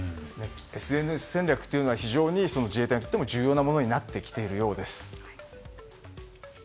ＳＮＳ戦略は非常に自衛隊にとっても重要なものになってきているようです。